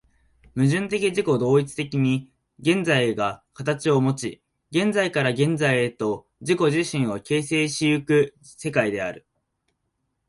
矛盾的自己同一的に現在が形をもち、現在から現在へと自己自身を形成し行く世界である。